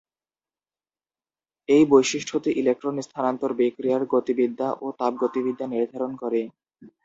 এই বৈশিষ্ট্যটি ইলেকট্রন স্থানান্তর বিক্রিয়ার গতিবিদ্যা ও তাপগতিবিদ্যা নির্ধারণ করে।